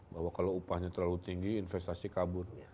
bahwa kalau upahnya terlalu tinggi investasi kabur